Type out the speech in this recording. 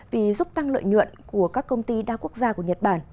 vì giúp tăng lợi nhuận của các công ty đa quốc gia của nhật bản